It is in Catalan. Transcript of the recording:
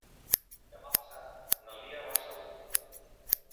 Demà passat na Lia va a Sagunt.